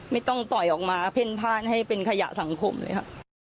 ไม่ต้องปล่อยออกมาเพ่นพ่านให้เป็นขยะสังคมเลยค่ะ